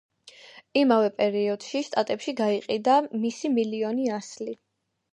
იმავე პერიოდში შტატებში გაიყიდა მისი მილიონი ასლი.